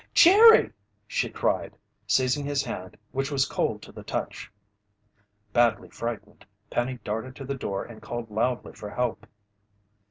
"Jerry!" she cried, seizing his hand which was cold to the touch. Badly frightened, Penny darted to the door and called loudly for help.